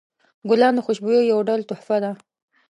ګلان د خوشبویۍ یو ډول تحفه ده.